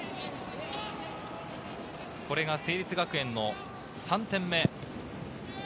これが成立学園の３点目。